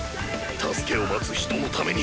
助けを待つ人のために！